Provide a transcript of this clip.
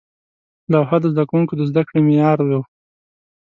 لوحه د زده کوونکو د زده کړې معیار و.